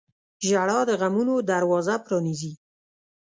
• ژړا د غمونو دروازه پرانیزي.